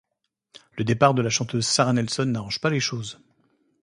Le départ de la chanteuse Shara Nelson n'arrange pas les choses.